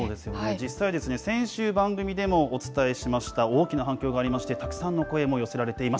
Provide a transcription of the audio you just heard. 実際、先週、番組でもお伝えしました、大きな反響がありまして、たくさんの声も寄せられています。